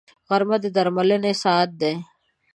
غرمه د درملنې ساعت دی